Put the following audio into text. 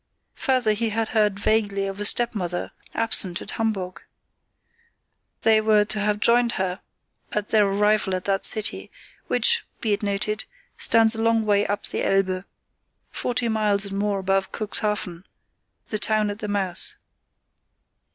Further, he had heard vaguely of a stepmother, absent at Hamburg. They were to have joined her on their arrival at that city, which, be it noted, stands a long way up the Elbe, forty miles and more above Cuxhaven, the town at the mouth.